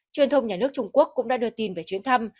truyền thông nhà nước trung quốc cũng đã đưa tin về chuyến thăm